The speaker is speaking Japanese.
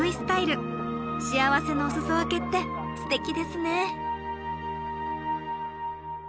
幸せのお裾分けってステキですね。